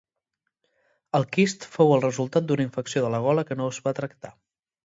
El quist fou el resultat d'una infecció de la gola que no es va tractar.